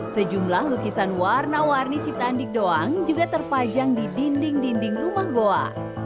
sejumlah lukisan warna warni ciptaan dikdoang juga terpajang di dinding dinding rumah goa